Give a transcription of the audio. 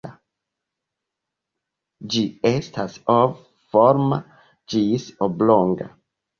Ĝi estas ov-forma ĝis oblonga.